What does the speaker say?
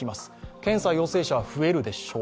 検査、陽性者は増えるでしょう。